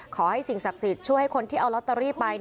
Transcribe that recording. ขอให้สิ่งศักดิ์สิทธิ์ช่วยให้คนที่เอาลอตเตอรี่ไป